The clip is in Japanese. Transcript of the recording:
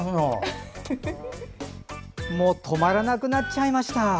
もう止まらなくなっちゃっいました。